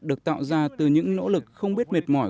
được tạo ra từ những nỗ lực không biết mệt mỏi